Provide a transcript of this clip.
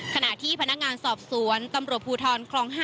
ขณะที่พนักงานสอบสวนตำรวจภูทรคลอง๕